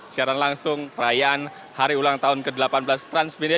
siaran langsung perayaan hari ulang tahun ke delapan belas transmedia